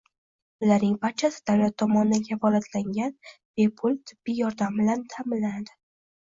ularning barchasi davlat tomonidan kafolatlangan bepul tibbiy yordam bilan ta’minlanadi.